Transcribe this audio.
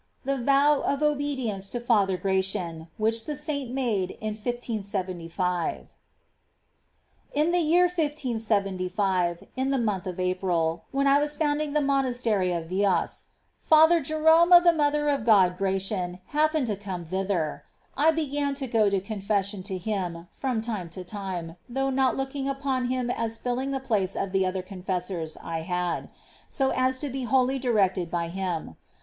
THE VOW OF OBEDIENCE TO FATHER GRATIAN WHICH THE SAINT MADE IN 1575. 1. In the year 1575, in the month of April, when I was founding the monastery of Yeas, Fra Jerome G^JtfanT"^ of the Mother of God Gratian happened to come thithei'.^ I began to go to confession to him from time to time, though not looking upon him as filling the place of the other confessors I had, so as to be wholly directed by him.